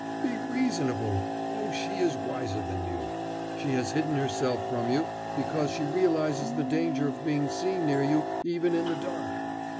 "Be reasonable! Oh, she is wiser than you! She has hidden herself from you because she realizes the danger of being seen near you even in the dark.